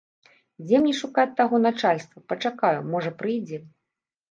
Дзе мне шукаць таго начальства, пачакаю, можа, прыйдзе.